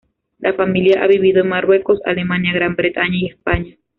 La familia ha vivido en Marruecos, Alemania, Gran Bretaña y España.